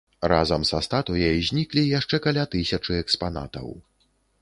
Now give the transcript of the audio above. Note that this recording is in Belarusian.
Разам са статуяй зніклі яшчэ каля тысячы экспанатаў.